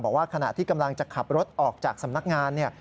บอกว่าขณะที่กำลังจะขับรถออกจากสำนักงานเนี่ย